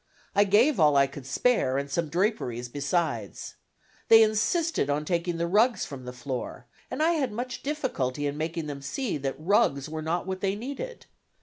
I gave all I could spare, and some draperies besides. They insisted on taking the rugs from the floor, and I had much difficulty in making them see that rugs were not what they needed.